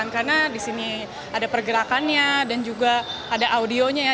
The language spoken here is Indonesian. karena di sini ada pergerakannya dan juga ada audionya